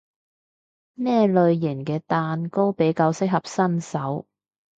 咩類型嘅蛋糕比較適合新手？